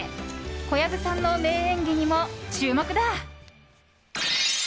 小籔さんの名演技にも注目だ。